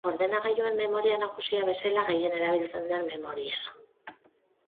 Ordenagailuen memoria nagusia bezala gehien erabiltzen den memoria da.